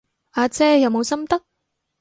阿姐有冇心得？